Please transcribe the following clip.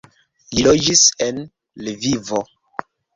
Li loĝis en Lvivo.